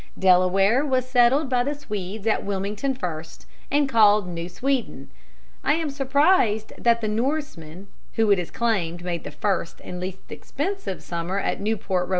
Delaware was settled by the Swedes at Wilmington first, and called New Sweden. I am surprised that the Norsemen, who it is claimed made the first and least expensive summer at Newport, R.